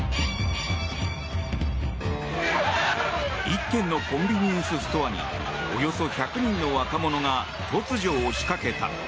一軒のコンビニエンスストアにおよそ１００人の若者が突如、押しかけた。